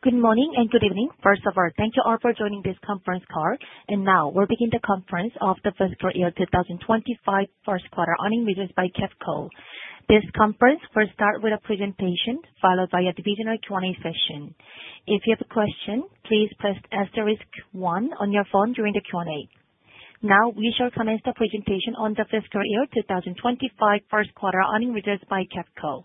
Good morning and good evening. First of all, thank you all for joining this conference call. Now, we'll begin the conference of the fiscal year 2025 first quarter earnings results by KEFCO. This conference will start with a presentation followed by a Q&A session. If you have a question, please press asterisk one on your phone during the Q&A. Now, we shall commence the presentation on the fiscal year 2025 first quarter earnings results by KEFCO.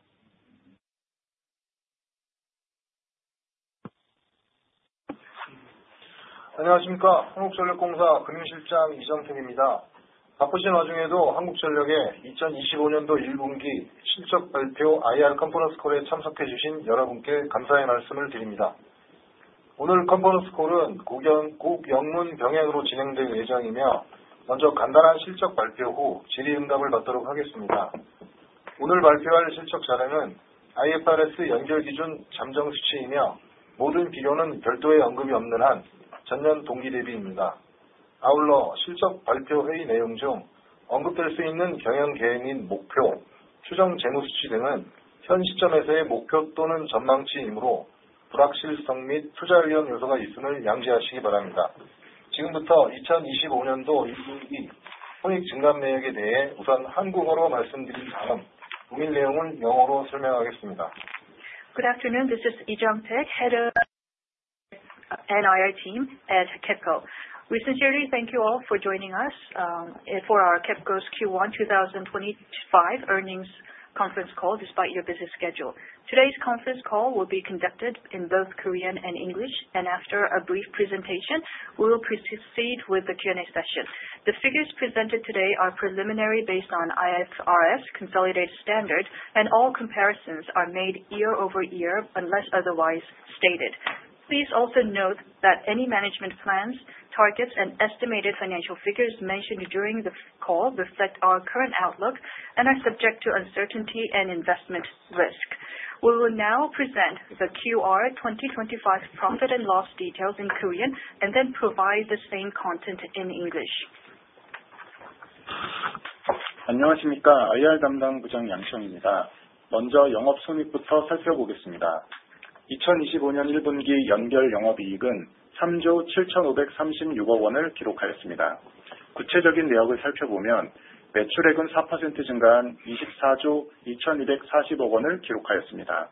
안녕하십니까. 한국전력공사 금융실장 이정택입니다. 바쁘신 와중에도 한국전력의 2025년도 1분기 실적 발표 IR 컨퍼런스콜에 참석해 주신 여러분께 감사의 말씀을 드립니다. 오늘 컨퍼런스콜은 국영문 병행으로 진행될 예정이며, 먼저 간단한 실적 발표 후 질의응답을 받도록 하겠습니다. 오늘 발표할 실적 자료는 IFRS 연결 기준 잠정 수치이며, 모든 비교는 별도의 언급이 없는 한 전년 동기 대비입니다. 아울러 실적 발표 회의 내용 중 언급될 수 있는 경영 계획 및 목표, 추정 재무 수치 등은 현 시점에서의 목표 또는 전망치이므로 불확실성 및 투자 위험 요소가 있음을 양지하시기 바랍니다. 지금부터 2025년도 1분기 손익 증감 내역에 대해 우선 한국어로 말씀드린 다음, 동일 내용을 영어로 설명하겠습니다. Good afternoon. This is Lee Jeong-taek, Head of NIR Team at KEFCO. We sincerely thank you all for joining us for our KEFCO's Q1 2025 earnings conference call despite your busy schedule. Today's conference call will be conducted in both Korean and English, and after a brief presentation, we will proceed with the Q&A session. The figures presented today are preliminary based on IFRS consolidated standard, and all comparisons are made year over year unless otherwise stated. Please also note that any management plans, targets, and estimated financial figures mentioned during the call reflect our current outlook and are subject to uncertainty and investment risk. We will now present the Q1 2025 profit and loss details in Korean and then provide the same content in English. 안녕하십니까. IR 담당 부장 양시영입니다. 먼저 영업 손익부터 살펴보겠습니다. 2025년 1분기 연결 영업 이익은 ₩3조 7,536억 원을 기록하였습니다. 구체적인 내역을 살펴보면 매출액은 4% 증가한 ₩24조 2,240억 원을 기록하였습니다.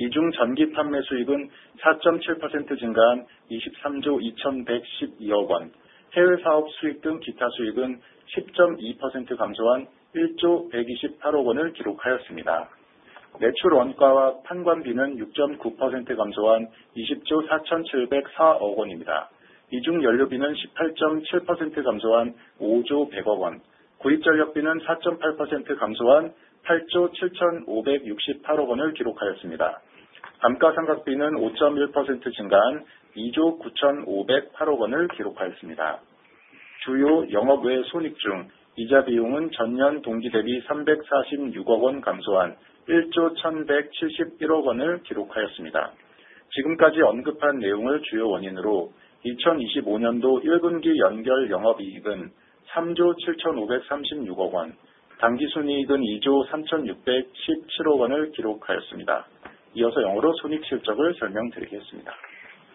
이중 전기 판매 수익은 4.7% 증가한 ₩23조 2,112억 원, 해외 사업 수익 등 기타 수익은 10.2% 감소한 ₩1조 128억 원을 기록하였습니다. 매출 원가와 판관비는 6.9% 감소한 ₩20조 4,704억 원입니다. 이중 연료비는 18.7% 감소한 ₩5조 100억 원, 구입 전력비는 4.8% 감소한 ₩8조 7,568억 원을 기록하였습니다. 감가상각비는 5.1% 증가한 ₩2조 9,508억 원을 기록하였습니다. 주요 영업 외 손익 중 이자 비용은 전년 동기 대비 ₩346억 원 감소한 ₩1조 1,171억 원을 기록하였습니다. 지금까지 언급한 내용을 주요 원인으로 2025년도 1분기 연결 영업 이익은 ₩3조 7,536억 원, 당기 순이익은 ₩2조 3,617억 원을 기록하였습니다. 이어서 영어로 손익 실적을 설명드리겠습니다.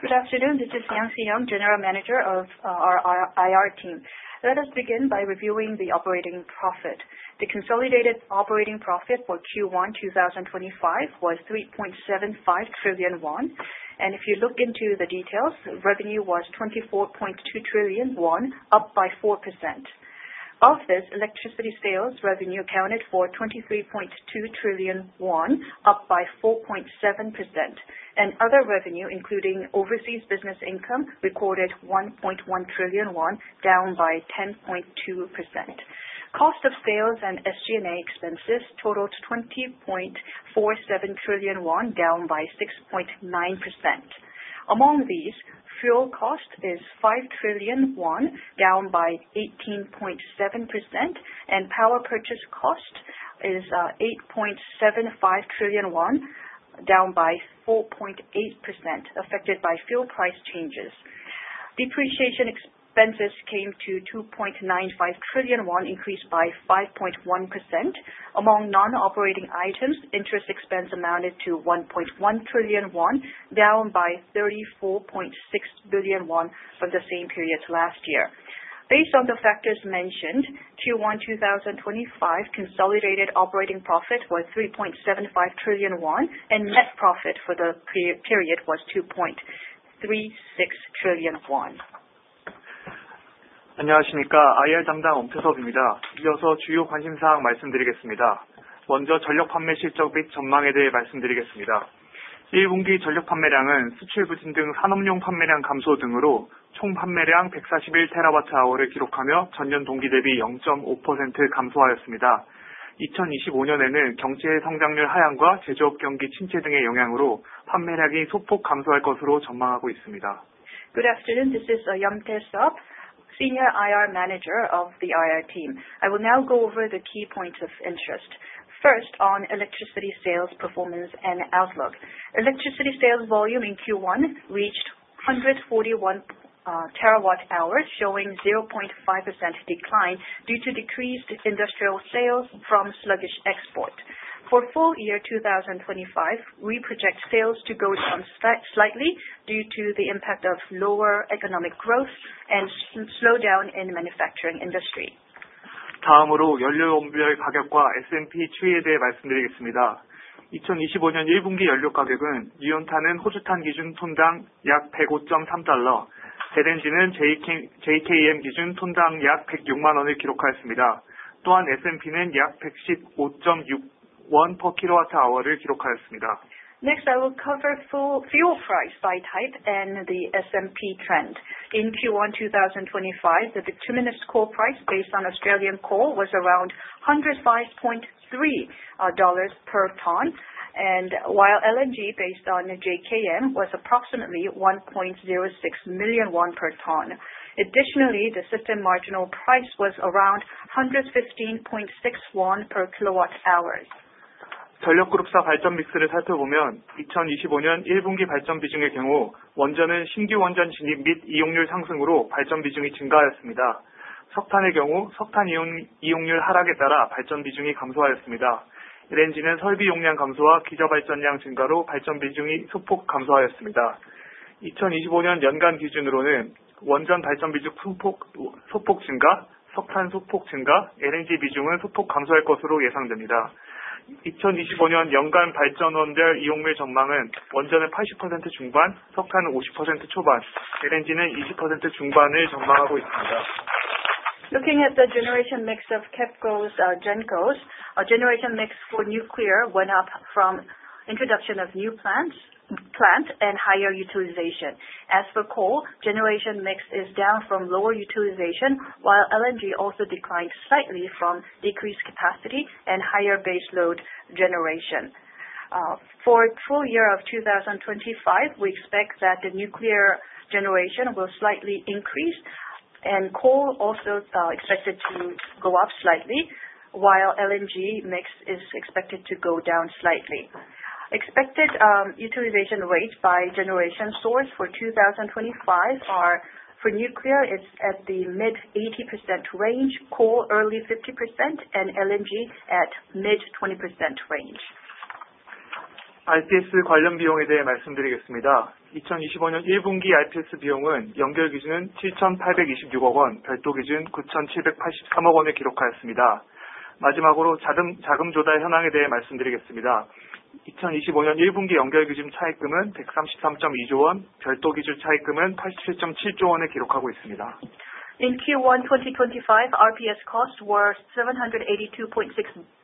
Good afternoon. This is Yang Si-Young, General Manager of our IR team. Let us begin by reviewing the operating profit. The consolidated operating profit for Q1 2025 was ₩3.75 trillion, and if you look into the details, revenue was ₩24.2 trillion, up by 4%. Of this, electricity sales revenue accounted for ₩23.2 trillion, up by 4.7%, and other revenue, including overseas business income, recorded ₩1.1 trillion, down by 10.2%. Cost of sales and SG&A expenses totaled ₩20.47 trillion, down by 6.9%. Among these, fuel cost is ₩5 trillion, down by 18.7%, and power purchase cost is ₩8.75 trillion, down by 4.8%, affected by fuel price changes. Depreciation expenses came to ₩2.95 trillion, increased by 5.1%. Among non-operating items, interest expense amounted to ₩1.1 trillion, down by ₩34.6 billion from the same period last year. Based on the factors mentioned, Q1 2025 consolidated operating profit was ₩3.75 trillion, and net profit for the period was ₩2.36 trillion. 안녕하십니까. IR 담당 엄태섭입니다. 이어서 주요 관심 사항 말씀드리겠습니다. 먼저 전력 판매 실적 및 전망에 대해 말씀드리겠습니다. 1분기 전력 판매량은 수출 부진 등 산업용 판매량 감소 등으로 총 판매량 141TWh를 기록하며 전년 동기 대비 0.5% 감소하였습니다. 2025년에는 경제 성장률 하향과 제조업 경기 침체 등의 영향으로 판매량이 소폭 감소할 것으로 전망하고 있습니다. Good afternoon. This is Yong Tae-seop, Senior IR Manager of the IR team. I will now go over the key points of interest. First, on electricity sales performance and outlook. Electricity sales volume in Q1 reached 141 TWh, showing 0.5% decline due to decreased industrial sales from sluggish export. For full year 2025, we project sales to go down slightly due to the impact of lower economic growth and slowdown in the manufacturing industry. 다음으로 연료원별 가격과 SMP 추이에 대해 말씀드리겠습니다. 2025년 1분기 연료 가격은 유연탄은 호주 탄 기준 톤당 약 $105.3, LNG는 JKM 기준 MMBtu당 약 ₩106만을 기록하였습니다. 또한 SMP는 약 ₩115.6/kWh를 기록하였습니다. Next, I will cover fuel price by type and the SMP trend. In Q1 2025, the determinate score price based on Australian coal was around $105.3 per ton, while LNG based on JKM was approximately 1.06 million won per ton. Additionally, the system marginal price was around 115.6 won per KWh. 전력 그룹사 발전 믹스를 살펴보면 2025년 1분기 발전 비중의 경우 원전은 신규 원전 진입 및 이용률 상승으로 발전 비중이 증가하였습니다. 석탄의 경우 석탄 이용률 하락에 따라 발전 비중이 감소하였습니다. LNG는 설비 용량 감소와 기저 발전량 증가로 발전 비중이 소폭 감소하였습니다. 2025년 연간 기준으로는 원전 발전 비중 소폭 증가, 석탄 소폭 증가, LNG 비중은 소폭 감소할 것으로 예상됩니다. 2025년 연간 발전원별 이용률 전망은 원전은 80% 중반, 석탄은 50% 초반, LNG는 20% 중반을 전망하고 있습니다. Looking at the generation mix of KEPCO's GENCOs, generation mix for nuclear went up from introduction of new plants and higher utilization. As for coal, generation mix is down from lower utilization, while LNG also declined slightly from decreased capacity and higher base load generation. For full year of 2025, we expect that the nuclear generation will slightly increase, and coal also expected to go up slightly, while LNG mix is expected to go down slightly. Expected utilization rates by generation source for 2025 are for nuclear at the mid-80% range, coal early 50%, and LNG at mid-20% range. IPS 관련 비용에 대해 말씀드리겠습니다. 2025년 1분기 IPS 비용은 연결 기준 ₩782.6십억, 별도 기준 ₩978.3십억을 기록하였습니다. 마지막으로 자금 조달 현황에 대해 말씀드리겠습니다. 2025년 1분기 연결 기준 차입금은 ₩133.2조, 별도 기준 차입금은 ₩87.7조를 기록하고 있습니다. In Q1 2025, RPS costs were ₩782.6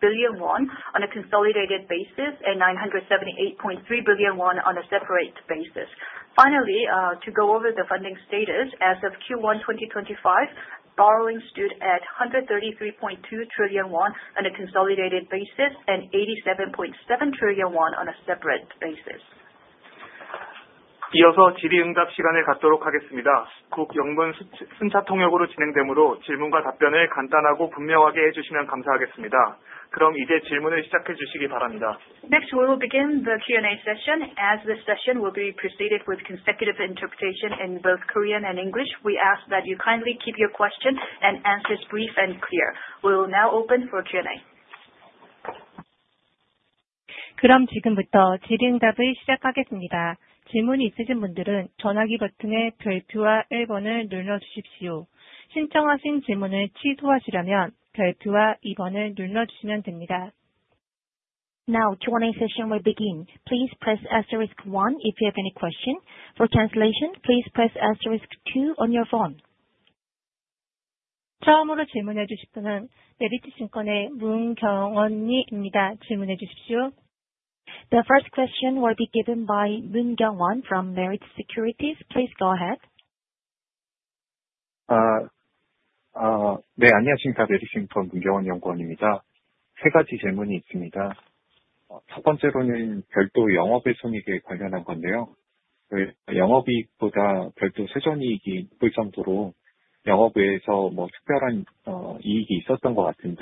billion on a consolidated basis and ₩978.3 billion on a separate basis. Finally, to go over the funding status, as of Q1 2025, borrowing stood at ₩133.2 trillion on a consolidated basis and ₩87.7 trillion on a separate basis. 이어서 질의응답 시간을 갖도록 하겠습니다. 국영문 순차 통역으로 진행되므로 질문과 답변을 간단하고 분명하게 해주시면 감사하겠습니다. 그럼 이제 질문을 시작해 주시기 바랍니다. Next, we will begin the Q&A session. As this session will be preceded with consecutive interpretation in both Korean and English, we ask that you kindly keep your questions and answers brief and clear. We will now open for Q&A. 그럼 지금부터 질의응답을 시작하겠습니다. 질문이 있으신 분들은 전화기 버튼의 별표와 1번을 눌러주십시오. 신청하신 질문을 취소하시려면 별표와 2번을 눌러주시면 됩니다. Now, Q&A session will begin. Please press asterisk one if you have any question. For translation, please press asterisk two on your phone. 처음으로 질문해 주실 분은 메리트증권의 문경원 님입니다. 질문해 주십시오. The first question will be given by Moon Kyungwon from Merit Securities. Please go ahead. 네, 안녕하십니까. 메리트증권 문경원 연구원입니다. 세 가지 질문이 있습니다. 첫 번째로는 별도 영업 외 손익에 관련한 건데요. 영업 이익보다 별도 세전 이익이 높을 정도로 영업 외에서 특별한 이익이 있었던 것 같은데,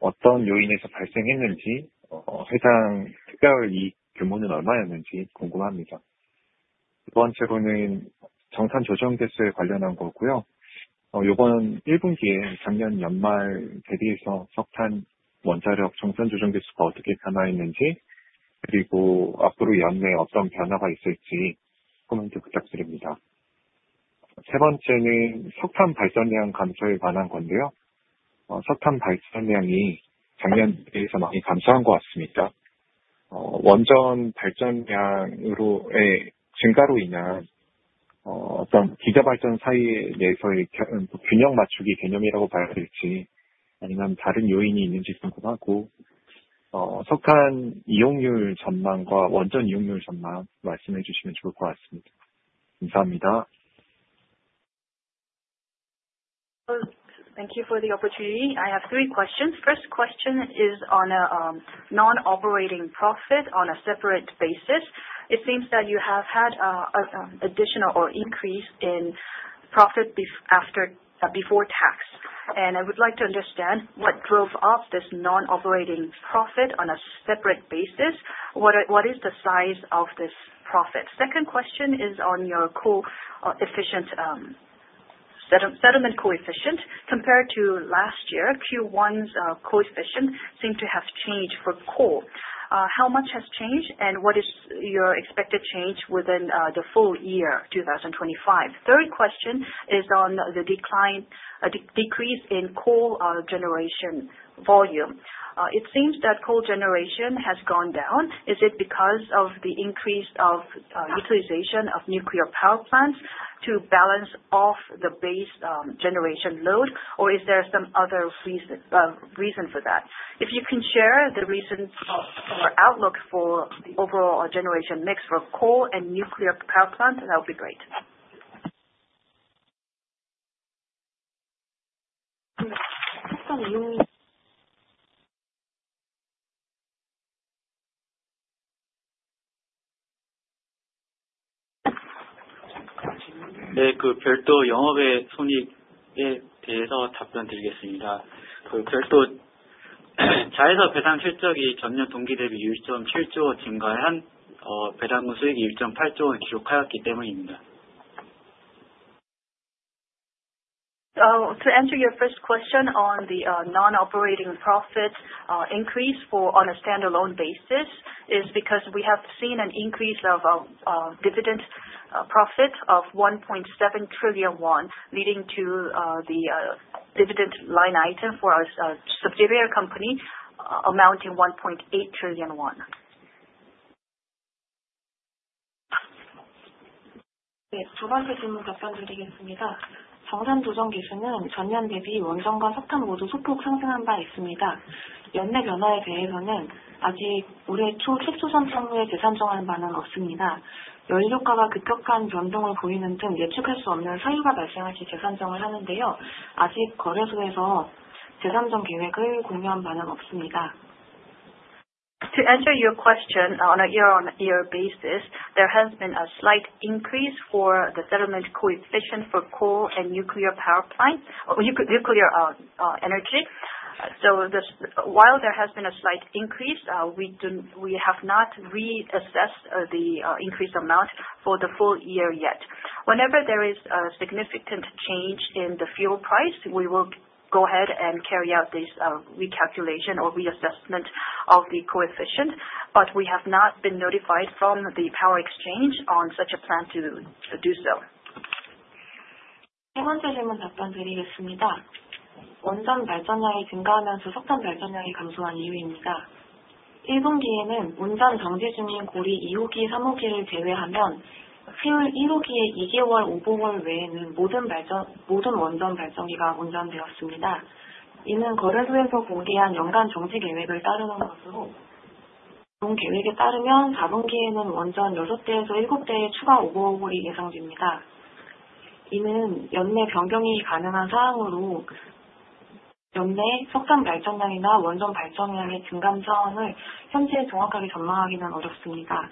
어떤 요인에서 발생했는지, 해당 특별 이익 규모는 얼마였는지 궁금합니다. 두 번째로는 정산 조정 대수에 관련한 거고요. 이번 1분기에 작년 연말 대비해서 석탄 원자력 정산 조정 대수가 어떻게 변화했는지, 그리고 앞으로 연내 어떤 변화가 있을지 코멘트 부탁드립니다. 세 번째는 석탄 발전량 감소에 관한 건데요. 석탄 발전량이 작년 대비해서 많이 감소한 것 같습니다. 원전 발전량의 증가로 인한 어떤 기저 발전 사이에서의 균형 맞추기 개념이라고 봐야 될지, 아니면 다른 요인이 있는지 궁금하고, 석탄 이용률 전망과 원전 이용률 전망 말씀해 주시면 좋을 것 같습니다. 감사합니다. Thank you for the opportunity. I have three questions. First question is on non-operating profit on a separate basis. It seems that you have had additional or increase in profit before tax, and I would like to understand what drove up this non-operating profit on a separate basis. What is the size of this profit? Second question is on your coefficient, settlement coefficient. Compared to last year, Q1's coefficient seemed to have changed for coal. How much has changed, and what is your expected change within the full year 2025? Third question is on the decrease in coal generation volume. It seems that coal generation has gone down. Is it because of the increase of utilization of nuclear power plants to balance off the base generation load, or is there some other reason for that? If you can share the reason or outlook for the overall generation mix for coal and nuclear power plants, that would be great. 네, 그 별도 영업 외 손익에 대해서 답변드리겠습니다. 별도 자회사 배당 실적이 전년 동기 대비 ₩1.7조 증가한 배당금 수익이 ₩1.8조를 기록하였기 때문입니다. To answer your first question on the non-operating profit increase on a standalone basis, it is because we have seen an increase of dividend profit of ₩1.7 trillion, leading to the dividend line item for a subsidiary company amounting to ₩1.8 trillion. 네, 두 번째 질문 답변드리겠습니다. 정산 조정 대수는 전년 대비 원전과 석탄 모두 소폭 상승한 바 있습니다. 연내 변화에 대해서는 아직 올해 초 최초 선정 후에 재산정할 바는 없습니다. 연료가가 급격한 변동을 보이는 등 예측할 수 없는 사유가 발생할 시 재산정을 하는데요, 아직 거래소에서 재산정 계획을 공유한 바는 없습니다. To answer your question, on a year-on-year basis, there has been a slight increase for the settlement coefficient for coal and nuclear power plant, nuclear energy. While there has been a slight increase, we have not reassessed the increased amount for the full year yet. Whenever there is a significant change in the fuel price, we will go ahead and carry out this recalculation or reassessment of the coefficient, but we have not been notified from the power exchange on such a plan to do so. 세 번째 질문 답변드리겠습니다. 원전 발전량이 증가하면서 석탄 발전량이 감소한 이유입니다. 1분기에는 운전 정지 중인 고리 2호기, 3호기를 제외하면 한울 1호기의 2개월, 5개월 외에는 모든 원전 발전기가 운전되었습니다. 이는 거래소에서 공개한 연간 정지 계획을 따르는 것으로, 이런 계획에 따르면 4분기에는 원전 6대에서 7대의 추가 정지가 예상됩니다. 이는 연내 변경이 가능한 사항으로, 연내 석탄 발전량이나 원전 발전량의 증감 상황을 현재 정확하게 전망하기는 어렵습니다.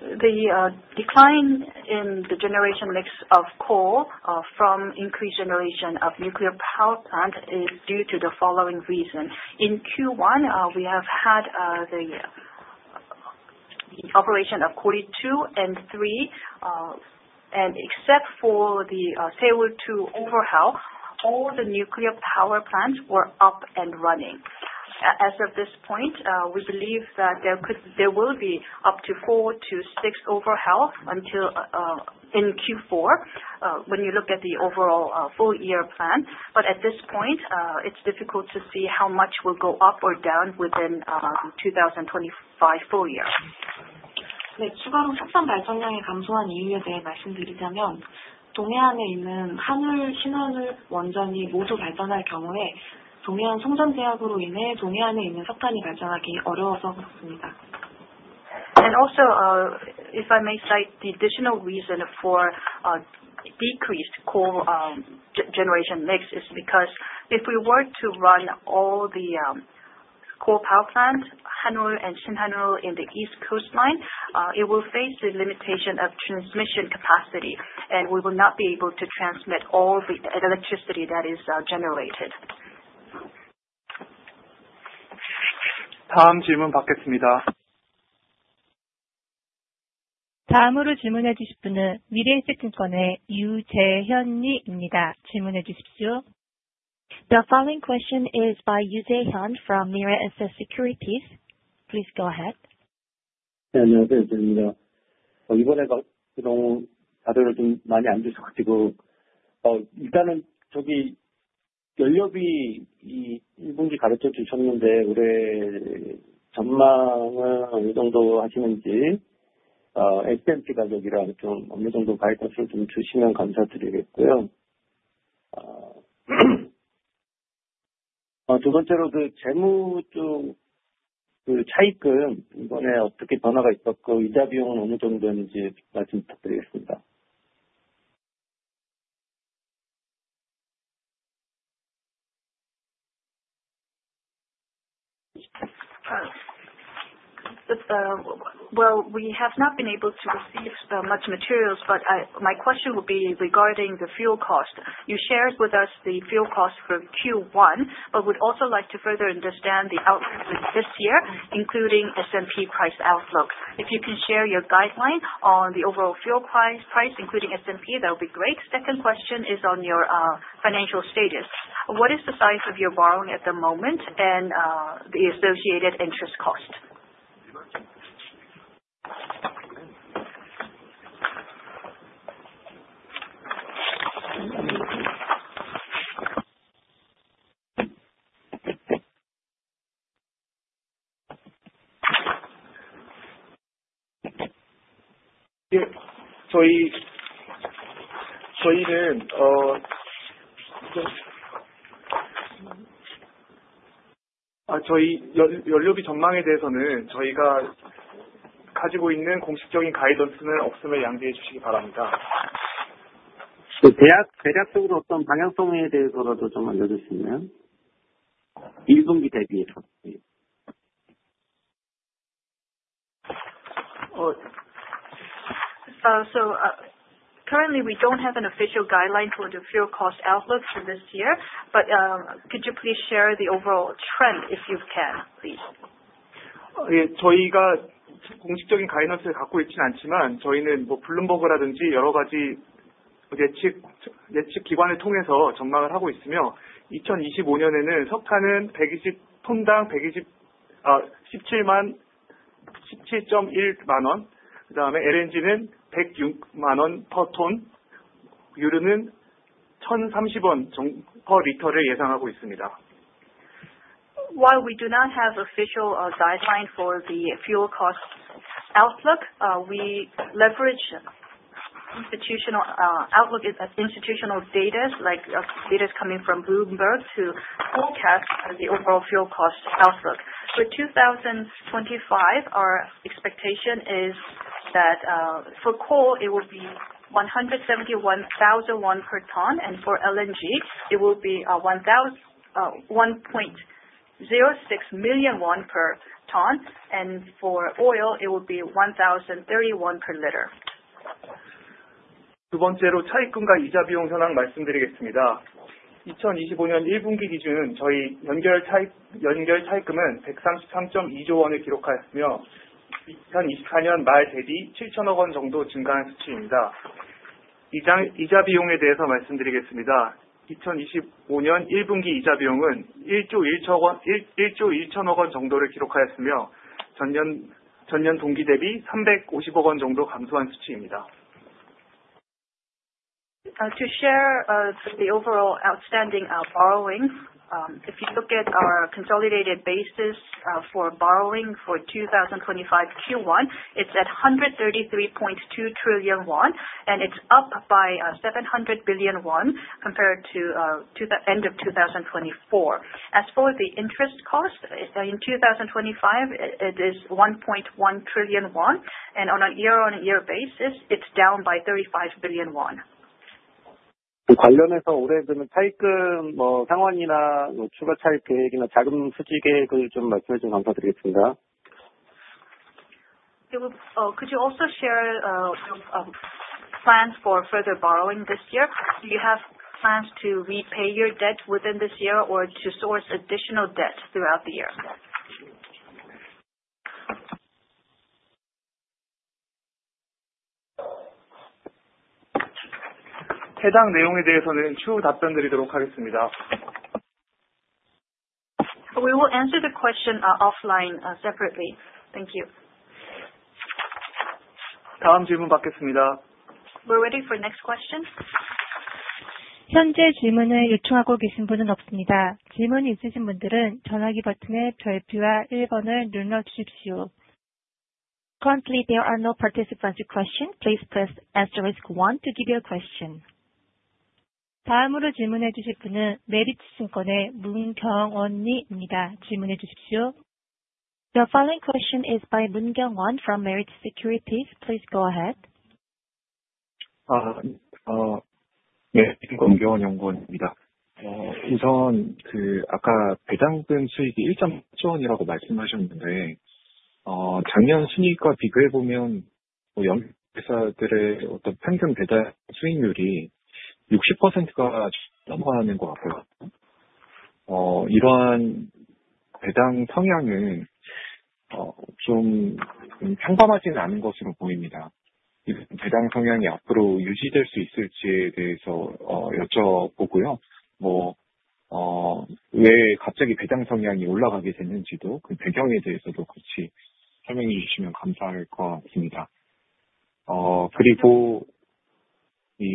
The decline in the generation mix of coal from increased generation of nuclear power plant is due to the following reason. In Q1, we have had the operation of Q2 and Q3, and except for the Q2 overhaul, all the nuclear power plants were up and running. As of this point, we believe that there will be up to four to six overhauls in Q4 when you look at the overall full year plan, but at this point, it's difficult to see how much will go up or down within 2025 full year. 추가로 석탄 발전량이 감소한 이유에 대해 말씀드리자면, 동해안에 있는 한울, 신한울 원전이 모두 발전할 경우에 동해안 송전 제약으로 인해 동해안에 있는 석탄이 발전하기 어려워서 그렇습니다. Also, if I may cite, the additional reason for decreased coal generation mix is because if we were to run all the coal power plants, Hanul and Shinhanul in the east coastline, it will face the limitation of transmission capacity, and we will not be able to transmit all the electricity that is generated. 다음 질문 받겠습니다. 다음으로 질문해 주실 분은 미래에셋증권의 유재현 님입니다. 질문해 주십시오. The following question is by Yoo Jae-hyun from Mirae Asset Securities. Please go ahead. 네, 안녕하세요. 유재현입니다. 이번에 가격이 다들 좀 많이 안 주셔서, 일단은 저기 연료비 1분기 가격도 주셨는데, 올해 전망은 어느 정도 하시는지, SMP 가격이랑 좀 어느 정도 가격을 좀 주시면 감사드리겠고요. 두 번째로 그 재무 쪽 차익은 이번에 어떻게 변화가 있었고, 이자 비용은 어느 정도인지 말씀 부탁드리겠습니다. Well, we have not been able to receive much materials, but my question would be regarding the fuel cost. You shared with us the fuel cost for Q1, but would also like to further understand the outlook for this year, including SMP price outlook. If you can share your guideline on the overall fuel price, including SMP, that would be great. Second question is on your financial status. What is the size of your borrowing at the moment and the associated interest cost? 저희는 연료비 전망에 대해서는 저희가 가지고 있는 공식적인 가이던스는 없음을 양지해 주시기 바랍니다. 대략적으로 어떤 방향성에 대해서라도 좀 알려주시면요, 1분기 대비해서. Currently, we don't have an official guideline for the fuel cost outlook for this year, but could you please share the overall trend if you can, please? 저희가 공식적인 가이던스를 갖고 있지는 않지만, 저희는 블룸버그라든지 여러 가지 예측 기관을 통해서 전망을 하고 있으며, 2025년에는 석탄은 톤당 ₩1,710,000, 그다음에 LNG는 톤당 ₩1,060,000, 유류는 리터당 ₩1,030을 예상하고 있습니다. While we do not have official guidelines for the fuel cost outlook, we leverage institutional data like data coming from Bloomberg to forecast the overall fuel cost outlook. For 2025, our expectation is that for coal, it will be ₩171,000 per ton, and for LNG, it will be ₩1.06 million per ton, and for oil, it will be ₩1,031 per liter. 두 번째로 차익금과 이자 비용 현황 말씀드리겠습니다. 2025년 1분기 기준 저희 연결 차익금은 ₩133.2조를 기록하였으며, 2024년 말 대비 ₩7천억 정도 증가한 수치입니다. 이자 비용에 대해서 말씀드리겠습니다. 2025년 1분기 이자 비용은 ₩1조 1천억 정도를 기록하였으며, 전년 동기 대비 ₩350억 정도 감소한 수치입니다. To share the overall outstanding borrowing, if you look at our consolidated basis for borrowing for 2025 Q1, it's at ₩133.2 trillion, and it's up by ₩700 billion compared to the end of 2024. As for the interest cost, in 2025, it is ₩1.1 trillion, and on a year-on-year basis, it's down by ₩35 billion. 관련해서 올해 좀 차익금 상환이나 추가 차익 계획이나 자금 수지 계획을 좀 말씀해 주시면 감사드리겠습니다. Could you also share your plans for further borrowing this year? Do you have plans to repay your debt within this year or to source additional debt throughout the year? 해당 내용에 대해서는 추후 답변드리도록 하겠습니다. We will answer the question offline separately. Thank you. 다음 질문 받겠습니다. We're ready for the next question. 현재 질문을 요청하고 계신 분은 없습니다. 질문이 있으신 분들은 전화기 버튼의 별표와 1번을 눌러주십시오. Currently, there are no participants requesting. Please press asterisk 1 to give your question. 다음으로 질문해 주실 분은 메리츠증권의 문경원 님입니다. 질문해 주십시오. The following question is by Moon Kyung Won from Meritz Securities. Please go ahead. 네, 문경원 연구원입니다. 우선 아까 배당금 수익이 1.3조 원이라고 말씀하셨는데, 작년 순이익과 비교해 보면 연결사들의 평균 배당 수익률이 60%가 넘어가는 것 같고요. 이러한 배당 성향은 좀 평범하지는 않은 것으로 보입니다. 배당 성향이 앞으로 유지될 수 있을지에 대해서 여쭤보고요. 왜 갑자기 배당 성향이 올라가게 됐는지도 그 배경에 대해서도 같이 설명해 주시면 감사할 것 같습니다. 그리고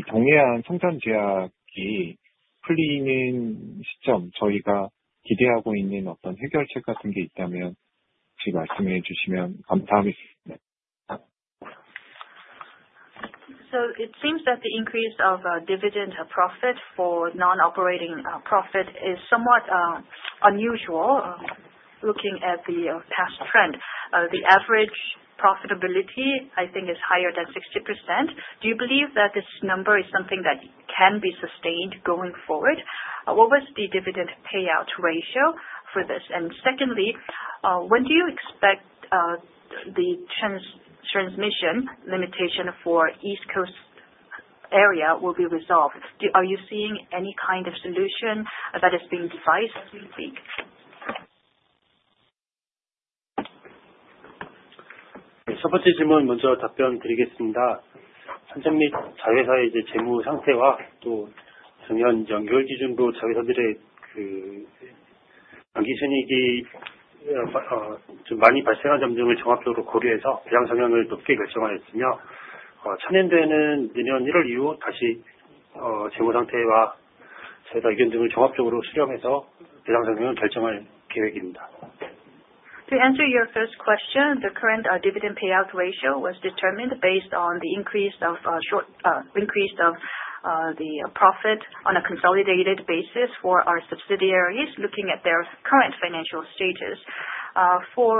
동해안 송전 제약이 풀리는 시점, 저희가 기대하고 있는 해결책 같은 게 있다면 같이 말씀해 주시면 감사하겠습니다. It seems that the increase of dividend profit for non-operating profit is somewhat unusual looking at the past trend. The average profitability, I think, is higher than 60%. Do you believe that this number is something that can be sustained going forward? What was the dividend payout ratio for this? Secondly, when do you expect the transmission limitation for the east coast area will be resolved? Are you seeing any kind of solution that is being devised as we speak? 첫 번째 질문 먼저 답변드리겠습니다. 선생님, 자회사의 재무 상태와 또 작년 연결 기준으로 자회사들의 당기 순이익이 좀 많이 발생한 점 등을 종합적으로 고려해서 배당 성향을 높게 결정하였으며, 차년도에는 내년 1월 이후 다시 재무 상태와 자회사 의견 등을 종합적으로 수렴해서 배당 성향을 결정할 계획입니다. To answer your first question, the current dividend payout ratio was determined based on the increase of the profit on a consolidated basis for our subsidiaries, looking at their current financial status. For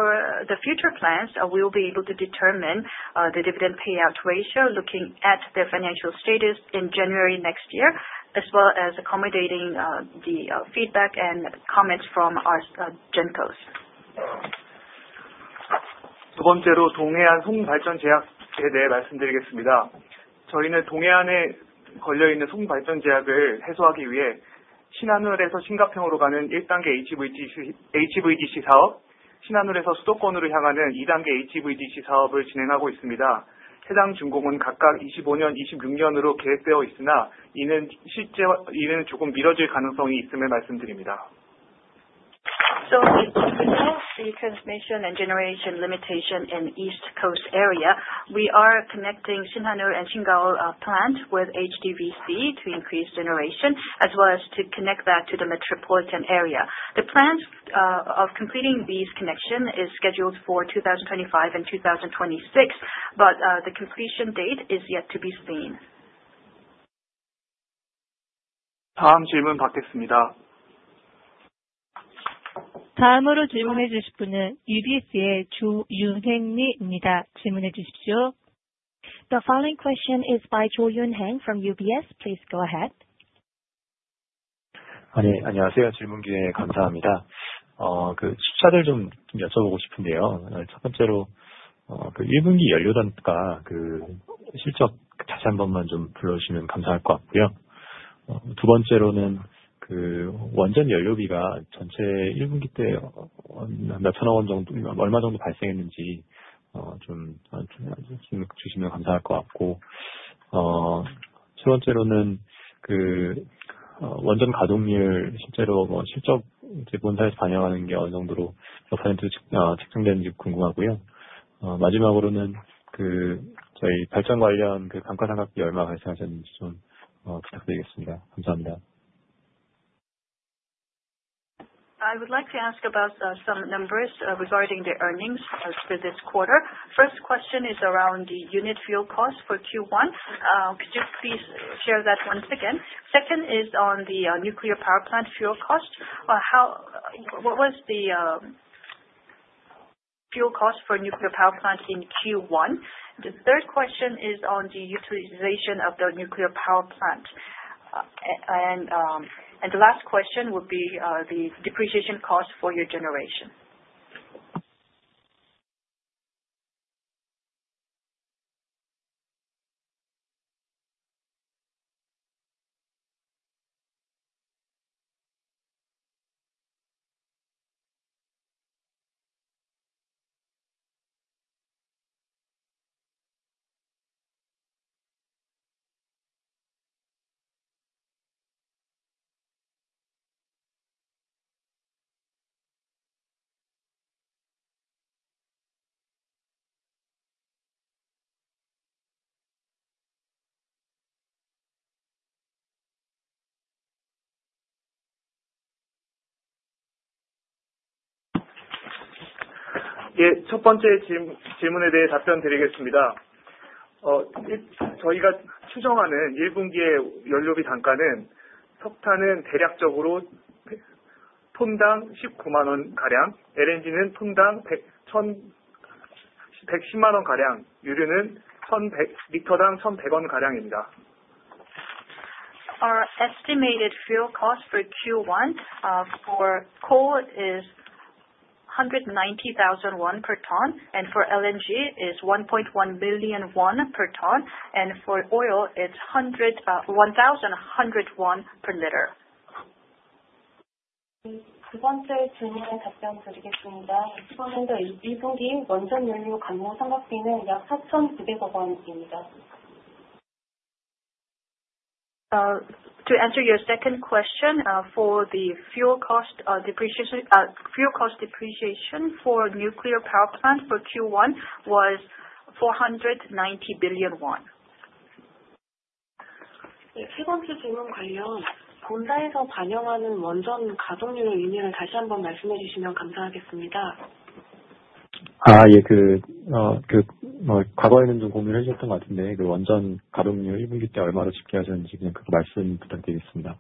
the future plans, we will be able to determine the dividend payout ratio looking at their financial status in January next year, as well as accommodating the feedback and comments from our shareholders. 두 번째로 동해안 송전 제약에 대해 말씀드리겠습니다. 저희는 동해안에 걸려 있는 송전 제약을 해소하기 위해 신한울에서 신갑평으로 가는 1단계 HVDC 사업, 신한울에서 수도권으로 향하는 2단계 HVDC 사업을 진행하고 있습니다. 해당 준공은 각각 2025년, 2026년으로 계획되어 있으나, 이는 조금 미뤄질 가능성이 있음을 말씀드립니다. To address the transmission and generation limitation in the east coast area, we are connecting Shinhanul and Shingaul plant with HVDC to increase generation, as well as to connect back to the metropolitan area. The plans of completing these connections are scheduled for 2025 and 2026, but the completion date is yet to be seen. 다음 질문 받겠습니다. 다음으로 질문해 주실 분은 UBS의 조윤행 님입니다. 질문해 주십시오. The following question is by Jo Yunheng from UBS. Please go ahead. 네, 안녕하세요. 질문 기회 감사합니다. 숫자들 좀 여쭤보고 싶은데요. 첫 번째로 1분기 연료 단가 실적 다시 한 번만 좀 불러주시면 감사할 것 같고요. 두 번째로는 원전 연료비가 전체 1분기 때 몇천억 원 정도, 얼마 정도 발생했는지 좀 질문해 주시면 감사할 것 같고, 세 번째로는 원전 가동률 실제로 실적 문서에서 반영하는 게 어느 정도로 몇 %로 측정되는지 궁금하고요. 마지막으로는 저희 발전 관련 감가상각비 얼마 발생하셨는지 좀 부탁드리겠습니다. 감사합니다. I would like to ask about some numbers regarding the earnings for this quarter. First question is around the unit fuel cost for Q1. Could you please share that once again? Second is on the nuclear power plant fuel cost. What was the fuel cost for nuclear power plant in Q1? The third question is on the utilization of the nuclear power plant. The last question would be the depreciation cost for your generation. 첫 번째 질문에 대해 답변드리겠습니다. 저희가 추정하는 1분기의 연료비 단가는 석탄은 대략적으로 톤당 ₩190,000 가량, LNG는 톤당 ₩1,100,000 가량, 유류는 리터당 ₩1,100 가량입니다. Our estimated fuel cost for Q1 for coal is ₩190,000 per ton, and for LNG is ₩1.1 million per ton, and for oil it's ₩1,100 per liter. 두 번째 질문에 답변드리겠습니다. 2024년도 1분기 원전 연료 감모 삼각비는 약 ₩4,900억입니다. To answer your second question, for the fuel cost depreciation for nuclear power plant for Q1 was ₩490 billion. 세 번째 질문 관련, 본사에서 반영하는 원전 가동률 의미를 다시 한번 말씀해 주시면 감사하겠습니다. 아, 예. 과거에는 좀 고민을 해주셨던 것 같은데, 원전 가동률 1분기 때 얼마로 집계하셨는지 그거 말씀 부탁드리겠습니다.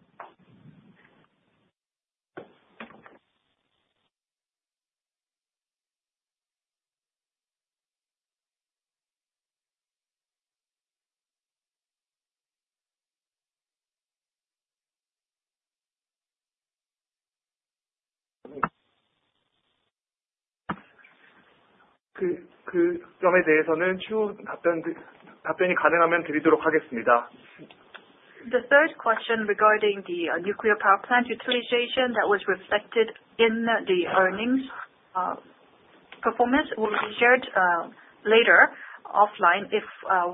그 점에 대해서는 추후 답변이 가능하면 드리도록 하겠습니다. The third question regarding the nuclear power plant utilization that was reflected in the earnings performance will be shared later offline if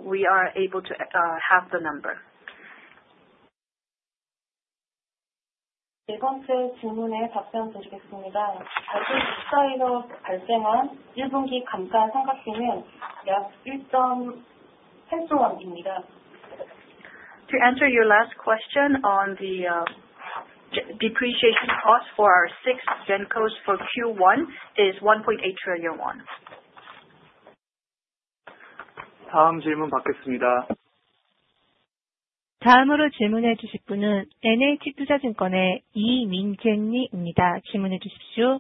we are able to have the number. 네 번째 질문에 답변드리겠습니다. 발전 사업에서 발생한 1분기 감가상각비는 약 1.8조 원입니다. To answer your last question on the depreciation cost for our sixth generation coast for Q1 is ₩1.8 trillion. 다음 질문 받겠습니다. 다음으로 질문해 주실 분은 NH 투자증권의 이민재 님입니다. 질문해 주십시오.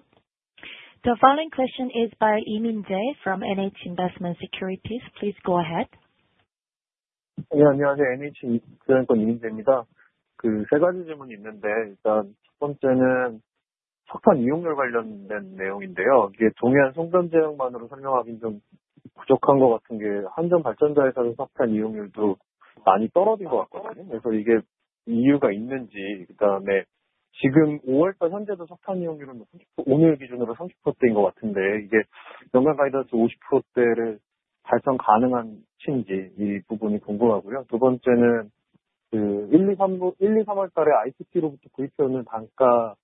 The following question is by Lee Min-jae from NH Investment Securities. Please go ahead. 네, 안녕하세요. NH 투자증권 이민재입니다. 세 가지 질문이 있는데, 일단 첫 번째는 석탄 이용률 관련된 내용인데요. 이게 동해안 송전 제약만으로 설명하기는 좀 부족한 것 같은 게 한전 발전사에서 석탄 이용률도 많이 떨어진 것 같거든요. 그래서 이게 이유가 있는지, 그다음에 지금 5월 달 현재도 석탄 이용률은 30%, 오늘 기준으로 30%대인 것 같은데, 이게 연간 가이던스 50%대를 달성 가능한지 이 부분이 궁금하고요. 두 번째는 1, 2, 3월 달에 ICT로부터 구입해 오는 단가가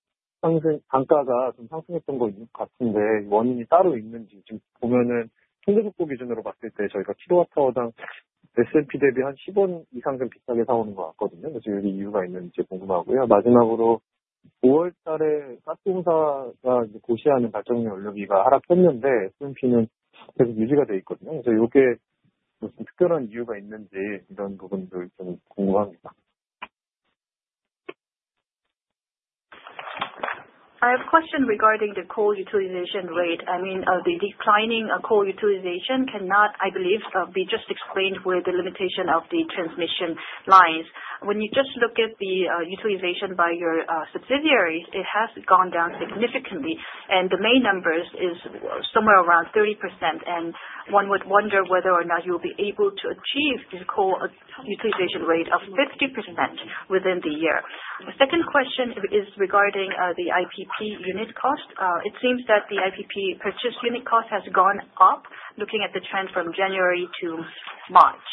좀 상승했던 것 같은데, 원인이 따로 있는지 보면 통계 속도 기준으로 봤을 때 저희가 kWh당 SMP 대비 한 10원 이상 좀 비싸게 사오는 것 같거든요. 그래서 이게 이유가 있는지 궁금하고요. 마지막으로 5월 달에 가스공사가 고시하는 발전료 연료비가 하락했는데 SMP는 계속 유지가 되어 있거든요. 그래서 이게 특별한 이유가 있는지 이런 부분들 좀 궁금합니다. I have a question regarding the coal utilization rate. I mean, the declining coal utilization cannot, I believe, be just explained with the limitation of the transmission lines. When you just look at the utilization by your subsidiaries, it has gone down significantly, and the main numbers are somewhere around 30%. One would wonder whether or not you will be able to achieve the coal utilization rate of 50% within the year. The second question is regarding the IPP unit cost. It seems that the IPP purchase unit cost has gone up looking at the trend from January to March.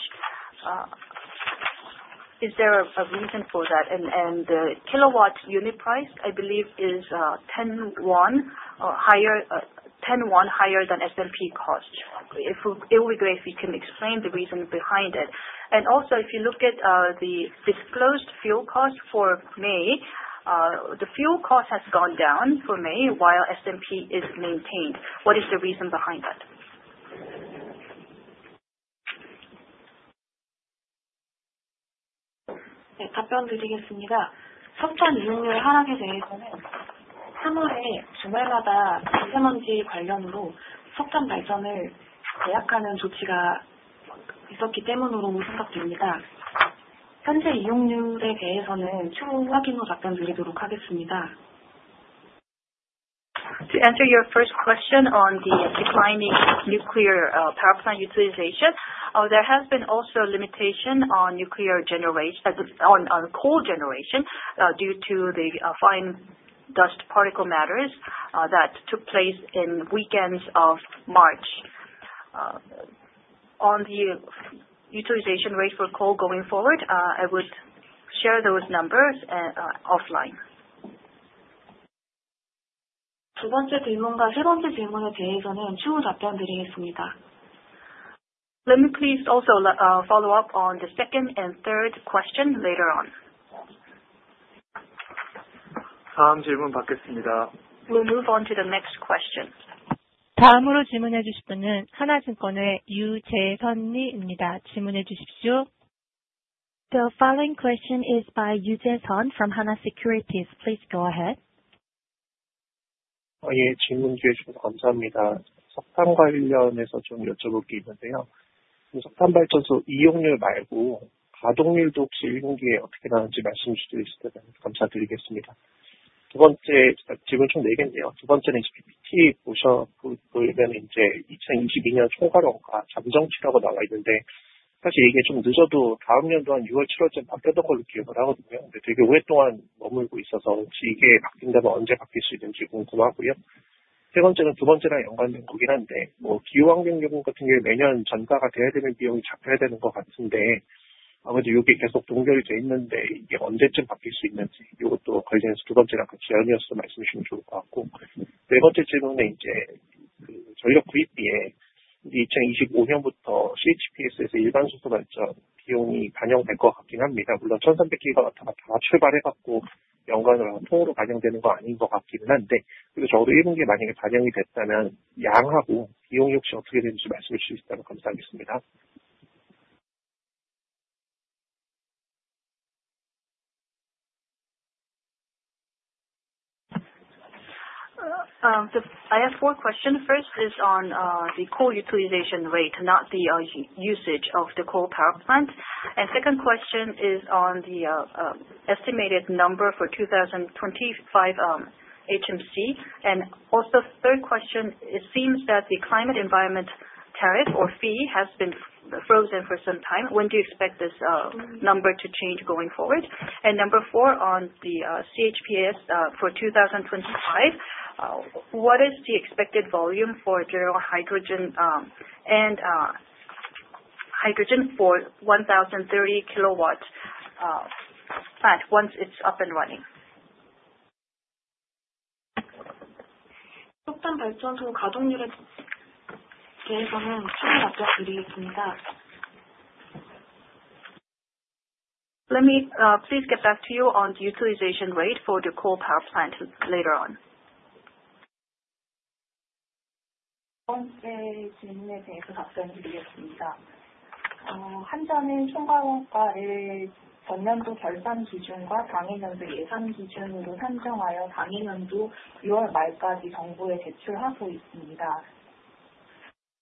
Is there a reason for that? The kW unit price, I believe, is ₩10 higher than SMP cost. It would be great if you can explain the reason behind it. Also, if you look at the disclosed fuel cost for May, the fuel cost has gone down for May while SMP is maintained. What is the reason behind that? 답변드리겠습니다. 석탄 이용률 하락에 대해서는 3월에 주말마다 미세먼지 관련으로 석탄 발전을 제약하는 조치가 있었기 때문으로 생각됩니다. 현재 이용률에 대해서는 추후 확인 후 답변드리도록 하겠습니다. To answer your first question on the declining nuclear power plant utilization, there has also been a limitation on nuclear generation, on coal generation, due to the fine dust particle matters that took place in weekends of March. On the utilization rate for coal going forward, I would share those numbers offline. 두 번째 질문과 세 번째 질문에 대해서는 추후 답변드리겠습니다. Let me please also follow up on the second and third question later on. 다음 질문 받겠습니다. We'll move on to the next question. 다음으로 질문해 주실 분은 하나증권의 유재선 님입니다. 질문해 주십시오. The following question is by Yoo Jae-sun from Hana Securities. Please go ahead. 예, 질문 주셔서 감사합니다. 석탄 관련해서 좀 여쭤볼 게 있는데요. 석탄 발전소 이용률 말고 가동률도 혹시 1분기에 어떻게 나왔는지 말씀해 주실 수 있으면 감사드리겠습니다. 두 번째 질문 총네 개인데요. 두 번째는 PPT 보시면 2022년 총괄원가 잠정치라고 나와 있는데, 사실 이게 좀 늦어도 다음 연도 한 6월, 7월쯤 바뀌었던 걸로 기억을 하거든요. 근데 되게 오랫동안 머물고 있어서 혹시 이게 바뀐다면 언제 바뀔 수 있는지 궁금하고요. 세 번째는 두 번째랑 연관된 거긴 한데, 기후환경 요금 같은 게 매년 전가가 돼야 되는 비용이 잡혀야 되는 것 같은데, 아무래도 이게 계속 동결이 돼 있는데 이게 언제쯤 바뀔 수 있는지 이것도 관련해서 두 번째랑 같이 연이어서 말씀해 주시면 좋을 것 같고. 네 번째 질문은 이제 전력 구입비에 2025년부터 CHPS에서 일반 수소 발전 비용이 반영될 것 같긴 합니다. 물론 1,300기가와트가 다 출발해서 연간으로 통으로 반영되는 건 아닌 것 같기는 한데, 그리고 적어도 1분기에 만약에 반영이 됐다면 양하고 비용이 혹시 어떻게 되는지 말씀해 주시면 감사하겠습니다. I have four questions. First is on the coal utilization rate, not the usage of the coal power plant. Second question is on the estimated number for 2025 HMC. Third question, it seems that the climate environment tariff or fee has been frozen for some time. When do you expect this number to change going forward? Number four on the CHPS for 2025, what is the expected volume for hydrogen for 1,030 kW plant once it's up and running? 석탄 발전소 가동률에 대해서는 추후 답변드리겠습니다. Let me please get back to you on the utilization rate for the coal power plant later on. 두 번째 질문에 대해서 답변드리겠습니다. 한전은 총괄원가를 전년도 결산 기준과 당해년도 예산 기준으로 산정하여 당해년도 6월 말까지 정부에 제출하고 있습니다.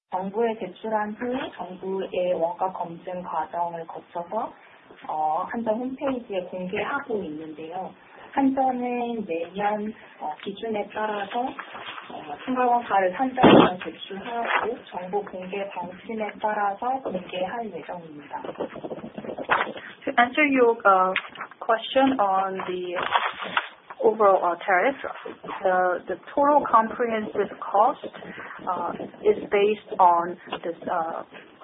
정부에 제출한 후 정부의 원가 검증 과정을 거쳐서 한전 홈페이지에 공개하고 있는데요. 한전은 매년 기준에 따라서 총괄원가를 산정하여 제출하였고, 정부 공개 방침에 따라서 공개할 예정입니다. To answer your question on the overall tariff, the total comprehensive cost is based on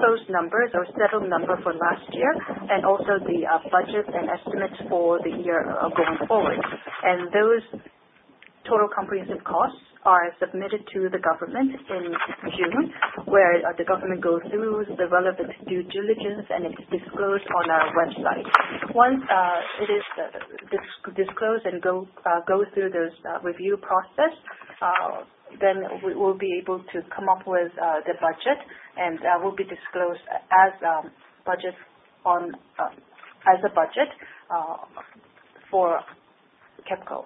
those numbers or several numbers from last year and also the budget and estimates for the year going forward. Those total comprehensive costs are submitted to the government in June, where the government goes through the relevant due diligence and it's disclosed on our website. Once it is disclosed and goes through the review process, then we will be able to come up with the budget and will be disclosed as a budget for KEPCO.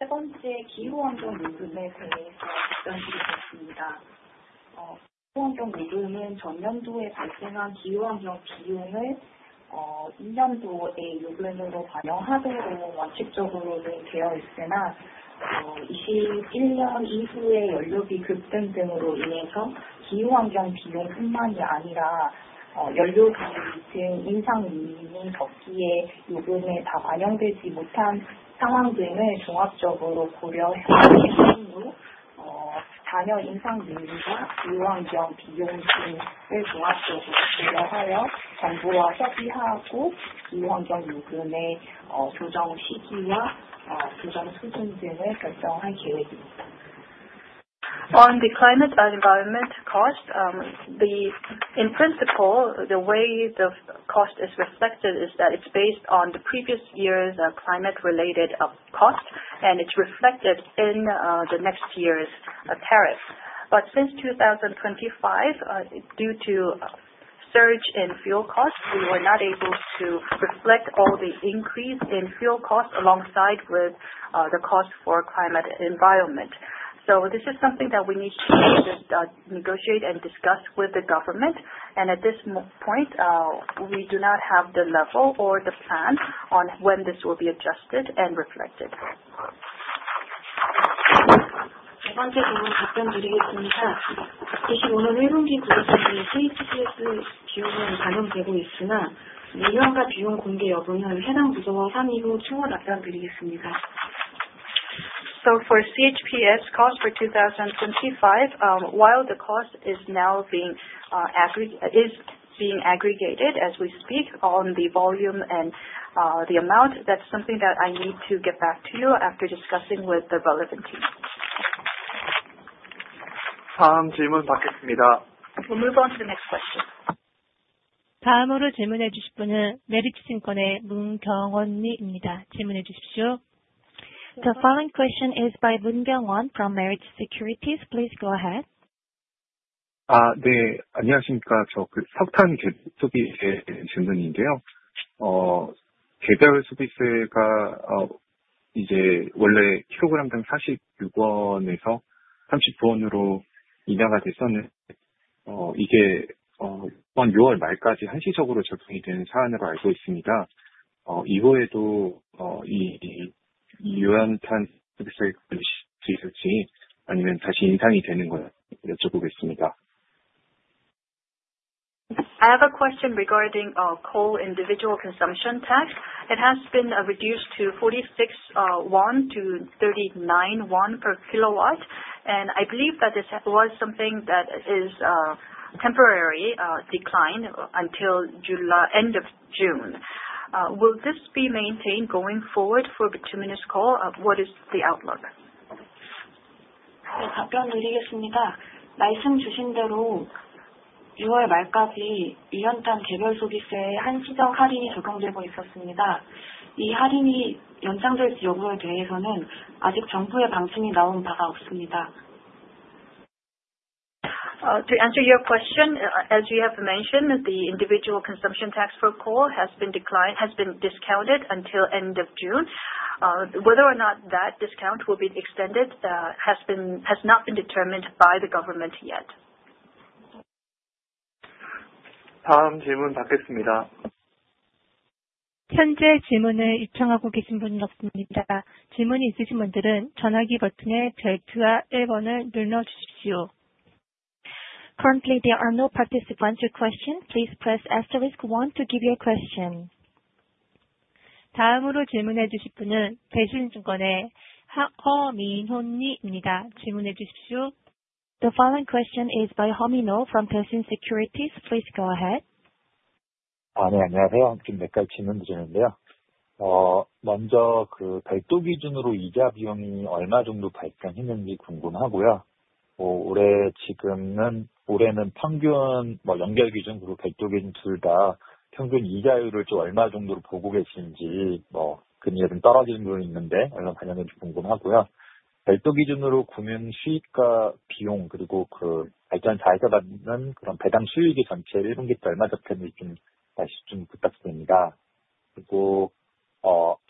세 번째 기후환경 요금에 대해서 답변드리겠습니다. 기후환경 요금은 전년도에 발생한 기후환경 비용을 2년도에 요금으로 반영하도록 원칙적으로는 되어 있으나, 2021년 이후에 연료비 급등 등으로 인해서 기후환경 비용뿐만이 아니라 연료비 등 인상 요인이 있었기에 요금에 다 반영되지 못한 상황 등을 종합적으로 고려한 이후, 잔여 인상 요인과 기후환경 비용 등을 종합적으로 고려하여 정부와 협의하고 기후환경 요금의 조정 시기와 조정 수준 등을 결정할 계획입니다. On the climate environment cost, in principle, the way the cost is reflected is that it's based on the previous year's climate-related cost and it's reflected in the next year's tariff. But since 2025, due to a surge in fuel costs, we were not able to reflect all the increase in fuel costs alongside the cost for climate environment. So this is something that we need to negotiate and discuss with the government. At this point, we do not have the level or the plan on when this will be adjusted and reflected. 네 번째 질문 답변드리겠습니다. 2025년 1분기 구조조정에 CHPS 비용은 반영되고 있으나 운영과 비용 공개 여부는 해당 부서와 상의 후 추후 답변드리겠습니다. For CHPS cost for 2025, while the cost is now being aggregated as we speak on the volume and the amount, that's something that I need to get back to you after discussing with the relevant team. 다음 질문 받겠습니다. We'll move on to the next question. 다음으로 질문해 주실 분은 메리츠증권의 문경원 님입니다. 질문해 주십시오. The following question is by Moon Kyungwon from Meritz Securities. Please go ahead. 네, 안녕하십니까. 석탄 쪽의 질문인데요. 개별 서비스가 원래 kg당 46원에서 39원으로 인하가 됐었는데 이게 6월 말까지 한시적으로 적용이 되는 사안으로 알고 있습니다. 이후에도 유연한 서비스가 있을 수 있을지 아니면 다시 인상이 되는 건지 여쭤보겠습니다. I have a question regarding coal individual consumption tax. It has been reduced from 46 won to 39 won per kW. I believe that this was something that is a temporary decline until end of June. Will this be maintained going forward for the two-minute call? What is the outlook? 답변드리겠습니다. 말씀해 주신 대로 6월 말까지 유연한 개별 서비스의 한시적 할인이 적용되고 있었습니다. 이 할인이 연장될지 여부에 대해서는 아직 정부의 방침이 나온 바가 없습니다. To answer your question, as you have mentioned, the individual consumption tax for coal has been discounted until end of June. Whether or not that discount will be extended has not been determined by the government yet. 다음 질문 받겠습니다. 현재 질문을 요청하고 계신 분은 없습니다. 질문이 있으신 분들은 전화기 버튼의 별표와 1번을 눌러주십시오. Currently, there are no participants with questions. Please press asterisk 1 to give your question. 다음으로 질문해 주실 분은 대신증권의 허민훈 님입니다. 질문해 주십시오. The following question is by Heo Min-hoon from Daishin Securities. Please go ahead. 네, 안녕하세요. 몇 가지 질문 드리는데요. 먼저 별도 기준으로 이자 비용이 얼마 정도 발생했는지 궁금하고요. 올해는 평균 연결 기준, 그리고 별도 기준 둘다 평균 이자율을 얼마 정도로 보고 계신지, 금리가 좀 떨어지는 부분이 있는데 얼마나 반영됐는지 궁금하고요. 별도 기준으로 금융 수익과 비용, 그리고 발전 자회사가 받는 배당 수익이 전체 1분기 때 얼마 잡혔는지 말씀 좀 부탁드립니다. 그리고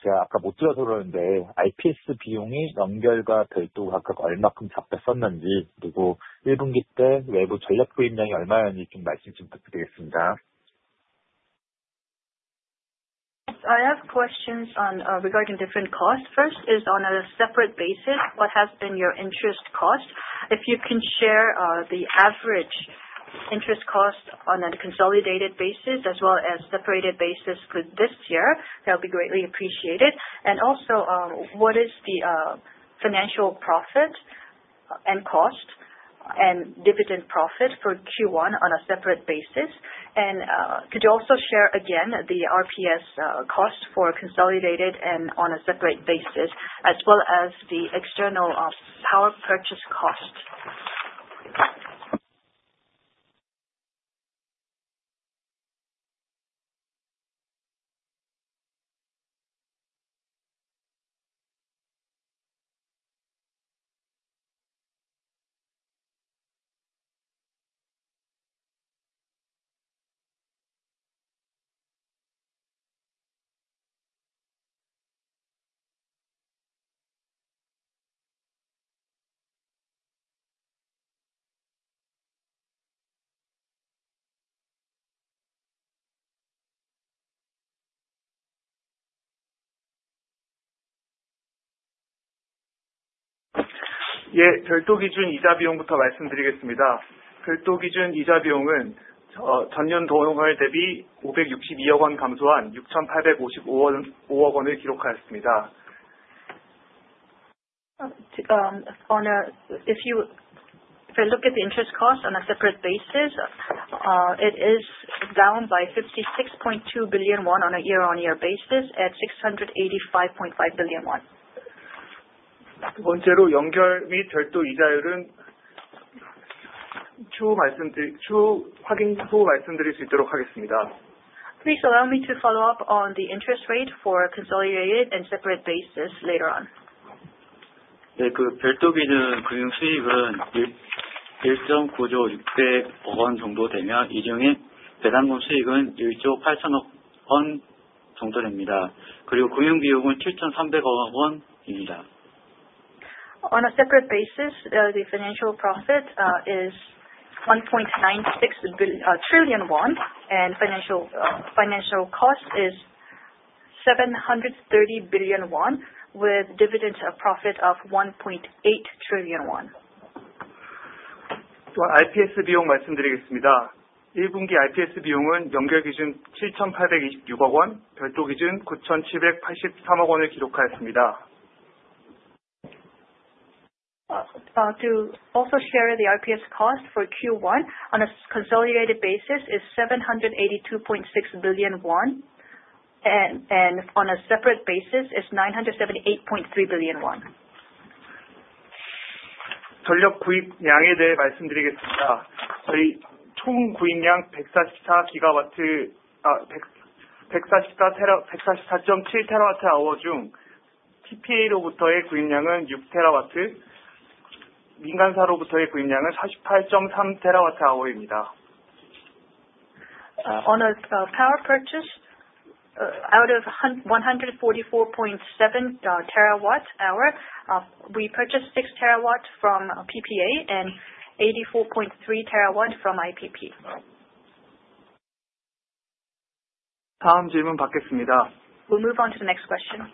제가 아까 못 들어서 그러는데 IPS 비용이 연결과 별도가 각각 얼마큼 잡혔었는지, 그리고 1분기 때 외부 전력 구입량이 얼마였는지 말씀 좀 부탁드리겠습니다. I have questions regarding different costs. First is on a separate basis, what has been your interest cost? If you can share the average interest cost on a consolidated basis as well as separate basis for this year, that would be greatly appreciated. And also, what is the financial profit and cost and dividend profit for Q1 on a separate basis? And could you also share again the RPS cost for consolidated and on a separate basis, as well as the external power purchase cost? 예, 별도 기준 이자 비용부터 말씀드리겠습니다. 별도 기준 이자 비용은 전년 동월 대비 562억 원 감소한 6,855억 원을 기록하였습니다. If you look at the interest cost on a separate basis, it is down by ₩56.2 billion on a year-on-year basis at ₩685.5 billion. 두 번째로 연결 및 별도 이자율은 추후 확인 후 말씀드릴 수 있도록 하겠습니다. Please allow me to follow up on the interest rate for consolidated and separate basis later on. 별도 기준 금융 수익은 ₩1조 9,060억 원 정도 되며 이 중에 배당금 수익은 ₩1조 8,000억 원 정도 됩니다. 그리고 금융 비용은 ₩7,300억 원입니다. On a separate basis, the financial profit is ₩1.96 trillion, and financial cost is ₩730 billion, with dividend profit of ₩1.8 trillion. IPS 비용 말씀드리겠습니다. 1분기 IPS 비용은 연결 기준 ₩782.6십억 원, 별도 기준 ₩978.3십억 원을 기록하였습니다. To also share the IPS cost for Q1 on a consolidated basis is ₩782.6 billion, and on a separate basis is ₩978.3 billion. 전력 구입량에 대해 말씀드리겠습니다. 저희 총 구입량 144.7TWh 중 TPA로부터의 구입량은 6TWh, 민간사로부터의 구입량은 48.3TWh입니다. On a power purchase, out of 144.7 TWh, we purchased 6 TWh from PPA and 84.3 TWh from IPP. 다음 질문 받겠습니다. We'll move on to the next question.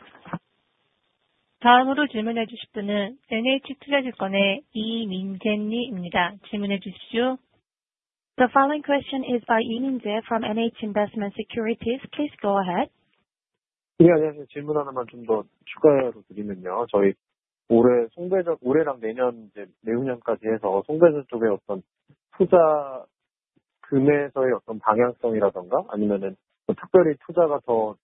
다음으로 질문해 주실 분은 NH투자증권의 이민재 님입니다. 질문해 주십시오. The following question is by Lee Min-jae from NH Investment Securities. Please go ahead. 네, 안녕하세요. 질문 하나만 좀더 추가로 드리면요. 저희 올해랑 내년 내후년까지 해서 송배전 쪽에 어떤 투자 금액에서의 어떤 방향성이라든가 아니면 특별히 투자가 더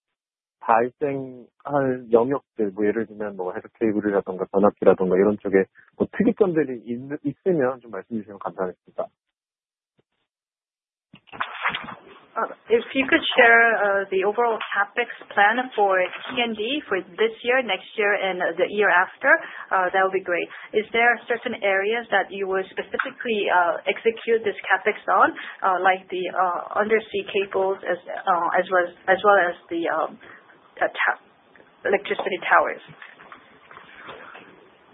발생할 영역들, 예를 들면 헤드 케이블이라든가 변압기라든가 이런 쪽에 특이점들이 있으면 좀 말씀해 주시면 감사하겠습니다. If you could share the overall CAPEX plan for T&D for this year, next year, and the year after, that would be great. Is there certain areas that you would specifically execute this CAPEX on, like the undersea cables as well as the electricity towers?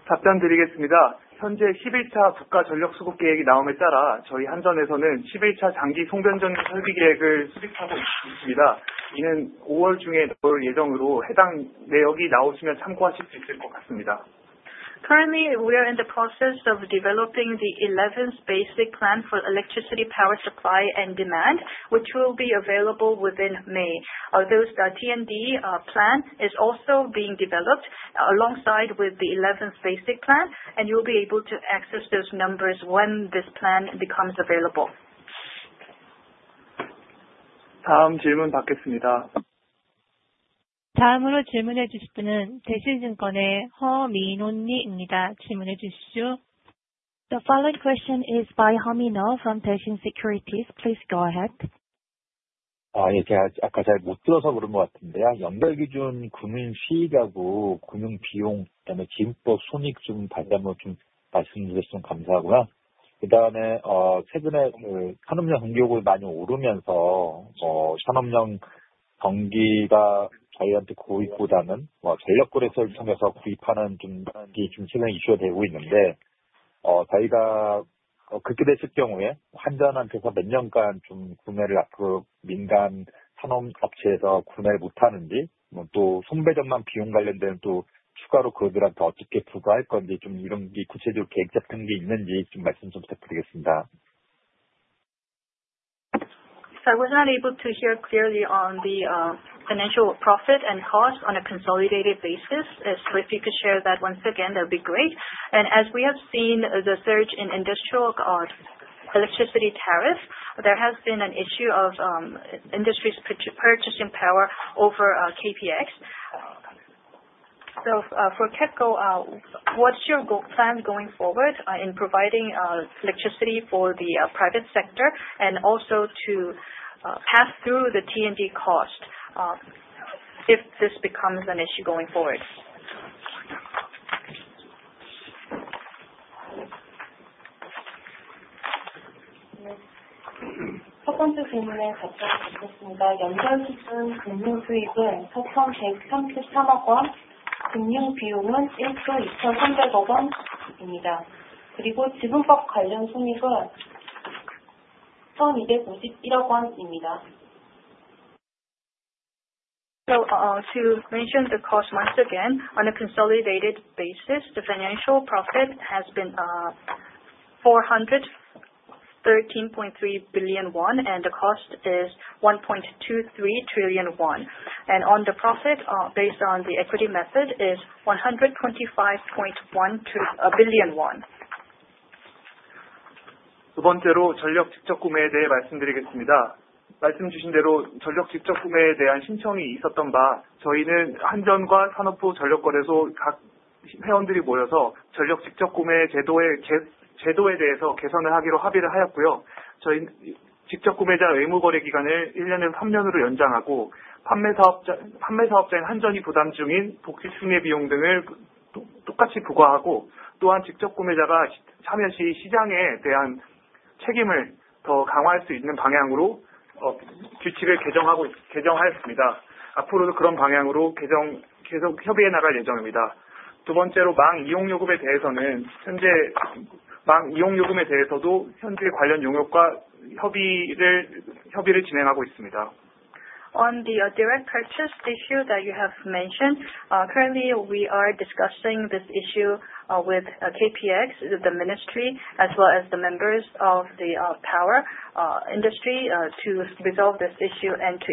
답변드리겠습니다. 현재 11차 국가 전력 수급 계획이 나옴에 따라 저희 한전에서는 11차 장기 송변전 설비 계획을 수립하고 있습니다. 이는 5월 중에 나올 예정으로 해당 내역이 나오시면 참고하실 수 있을 것 같습니다. Currently, we are in the process of developing the 11th Basic Plan for Electricity Power Supply and Demand, which will be available within May. This T&D plan is also being developed alongside the 11th Basic Plan, and you will be able to access those numbers when this plan becomes available. 다음 질문 받겠습니다. 다음으로 질문해 주실 분은 대신증권의 허민훈 님입니다. 질문해 주십시오. The following question is by Hominoh from Pension Securities. Please go ahead. 아까 잘못 들어서 그런 것 같은데요. 연결 기준 금융 수익하고 금융 비용, 그다음에 지분법 손익 좀 다시 한번 말씀해 주셔서 감사하고요. 그다음에 최근에 산업용 전기요금이 많이 오르면서 산업용 전기가 저희한테 구입보다는 전력 그래프를 통해서 구입하는 쪽이 최근에 이슈가 되고 있는데, 저희가 그렇게 됐을 경우에 한전한테서 몇 년간 구매를 앞으로 민간 산업 업체에서 구매를 못 하는지, 또 손배전망 비용 관련된 추가로 그들한테 어떻게 부과할 건지, 이런 게 구체적으로 계획 같은 게 있는지 말씀 부탁드리겠습니다. I was not able to hear clearly on the financial profit and cost on a consolidated basis. If you could share that once again, that would be great. As we have seen the surge in industrial electricity tariffs, there has been an issue of industries purchasing power over KPX. For KEPCO, what's your goal plan going forward in providing electricity for the private sector and also to pass through the T&D cost if this becomes an issue going forward? 첫 번째 질문에 답변드리겠습니다. 연결 기준 금융 수익은 ₩813.3십억, 금융 비용은 ₩1.23조입니다. 그리고 지분법 관련 손익은 ₩125.1십억입니다. To mention the cost once again, on a consolidated basis, the financial profit has been ₩413.3 billion, and the cost is ₩1.23 trillion. The profit, based on the equity method, is ₩125.1 billion. 두 번째로 전력 직접 구매에 대해 말씀드리겠습니다. 말씀 주신 대로 전력 직접 구매에 대한 신청이 있었던 바, 저희는 한전과 산업부 전력거래소 각 회원들이 모여서 전력 직접 구매 제도에 대해서 개선을 하기로 합의를 하였고요. 저희는 직접 구매자 의무 거래 기간을 1년에서 3년으로 연장하고, 판매 사업자인 한전이 부담 중인 복지 총액 비용 등을 똑같이 부과하고, 또한 직접 구매자가 참여 시 시장에 대한 책임을 더 강화할 수 있는 방향으로 규칙을 개정하였습니다. 앞으로도 그런 방향으로 계속 협의해 나갈 예정입니다. 두 번째로 망 이용 요금에 대해서는 현재 망 이용 요금에 대해서도 현재 관련 용역과 협의를 진행하고 있습니다. On the direct purchase issue that you have mentioned, currently we are discussing this issue with KPX, the ministry, as well as the members of the power industry to resolve this issue and to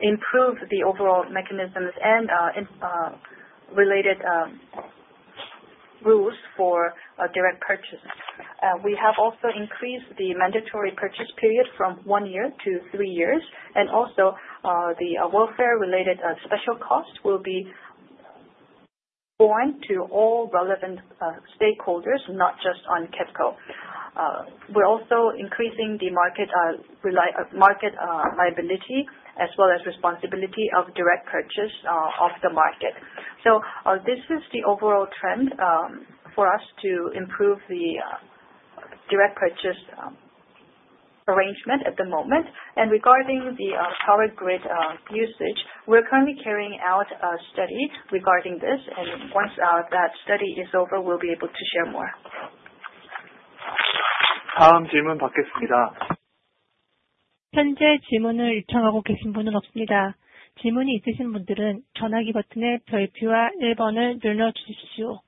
improve the overall mechanisms and related rules for direct purchase. We have also increased the mandatory purchase period from one year to three years, and also the welfare-related special costs will be going to all relevant stakeholders, not just on KEPCO. We're also increasing the market liability as well as responsibility of direct purchase of the market. This is the overall trend for us to improve the direct purchase arrangement at the moment. Regarding the power grid usage, we're currently carrying out a study regarding this, and once that study is over, we'll be able to share more. 다음 질문 받겠습니다. 현재 질문을 요청하고 계신 분은 없습니다. 질문이 있으신 분들은 전화기 버튼의 별표와 1번을 눌러주십시오.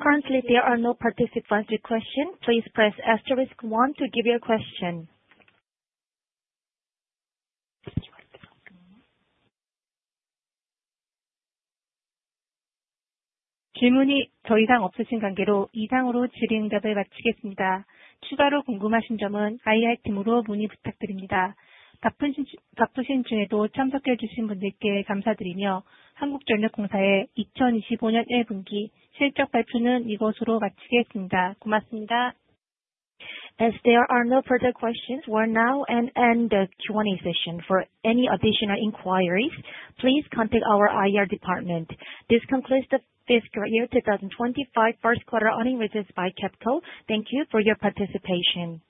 Currently, there are no participants requesting. Please press asterisk 1 to give your question. 질문이 더 이상 없으신 관계로 이상으로 질의응답을 마치겠습니다. 추가로 궁금하신 점은 IR팀으로 문의 부탁드립니다. 바쁘신 중에도 참석해 주신 분들께 감사드리며, 한국전력공사의 2025년 1분기 실적 발표는 이것으로 마치겠습니다. 고맙습니다. As there are no further questions, we're now at the end of the Q&A session. For any additional inquiries, please contact our IR department. This concludes the fiscal year 2025 first quarter earnings report by KEPCO. Thank you for your participation.